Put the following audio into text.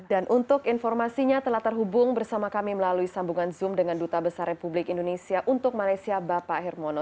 dan untuk informasinya telah terhubung bersama kami melalui sambungan zoom dengan duta besar republik indonesia untuk malaysia bapak hermono